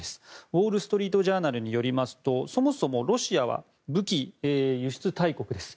ウォール・ストリート・ジャーナルによりますとそもそもロシアは武器輸出大国です。